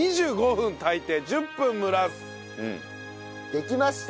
できました。